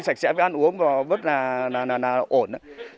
sạch sẽ với ăn uống rất là ổn